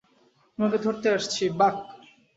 তোমাকে ধরতে আসছি, বাক!